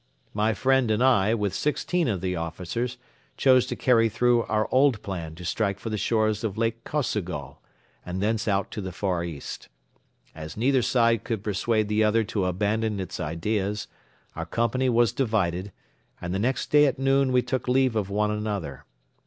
My friend and I with sixteen of the officers chose to carry through our old plan to strike for the shores of Lake Kosogol and thence out to the Far East. As neither side could persuade the other to abandon its ideas, our company was divided and the next day at noon we took leave of one another.